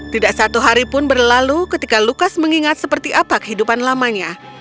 tidak satu hari pun berlalu ketika lukas mengingat seperti apa kehidupan lamanya